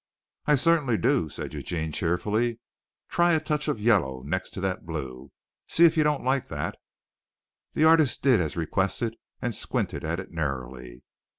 "I certainly do," said Eugene cheerfully. "Try a touch of yellow next to that blue. See if you don't like that." The artist did as requested and squinted at it narrowly.